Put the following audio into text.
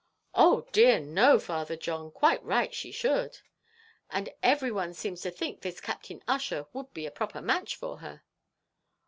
"Oh! dear no, Father John; quite right she should." "And every one seems to think this Captain Ussher would be a proper match for her."